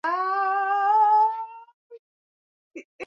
ya korea kaskazini kwa korea kusini yaliofanyika hapo jana